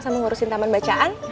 sama ngurusin taman bacaan